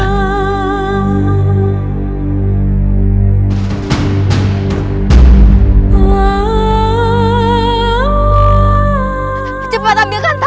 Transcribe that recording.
aku mengaku dengame tuju di seluruh masa